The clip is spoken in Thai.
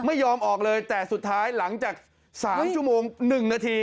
ไม่ยอมออกเลยแต่สุดท้ายหลังจาก๓ชั่วโมง๑นาที